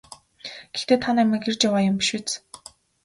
Гэхдээ та намайг эрж яваа юм биш биз?